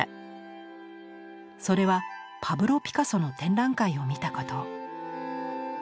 それはパブロ・ピカソの展覧会を見たこと。